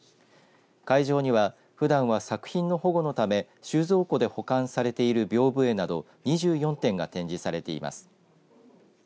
会場にはふだんは作品の保護のため収蔵庫で保管されているびょうぶ絵など２４点が展示されています。